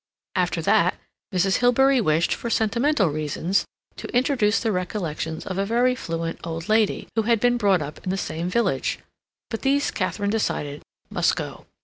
After that, Mrs. Hilbery wished, for sentimental reasons, to introduce the recollections of a very fluent old lady, who had been brought up in the same village, but these Katharine decided must go.